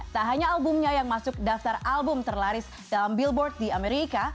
tak hanya albumnya yang masuk daftar album terlaris dalam billboard di amerika